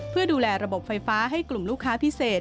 เพื่อดูแลระบบไฟฟ้าให้กลุ่มลูกค้าพิเศษ